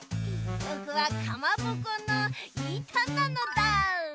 ぼくはかまぼこのいたなのだ。